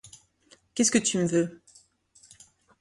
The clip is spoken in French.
Qu'est-ce que tu me veux